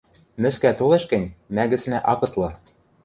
— Мӧскӓ толеш гӹнь, мӓ гӹцнӓ ак ытлы